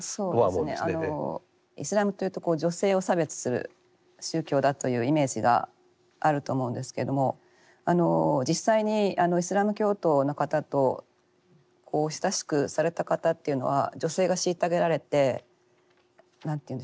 イスラムというと女性を差別する宗教だというイメージがあると思うんですけども実際にイスラム教徒の方と親しくされた方っていうのは女性が虐げられて何て言うんでしょうね